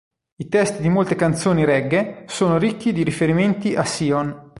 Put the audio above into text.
I testi di molte canzoni "reggae" sono ricchi di riferimenti a Sion.